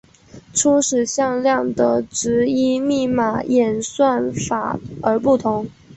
初始向量的值依密码演算法而不同。